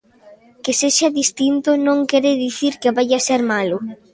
Que sexa distinto non quere dicir que vaia ser malo.